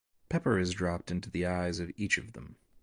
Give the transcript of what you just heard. Pepper is dropped into the eyes of each of them.